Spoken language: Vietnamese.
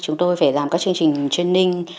chúng tôi phải làm các chương trình training